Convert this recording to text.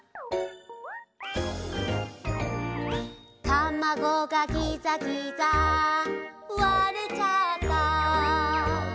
「たまごがギザギザ割れちゃった」